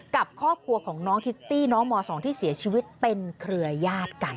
กับครอบครัวของน้องคิตตี้น้องม๒ที่เสียชีวิตเป็นเครือยาศกัน